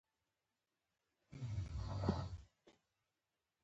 زه د خدای شکر ادا کوم.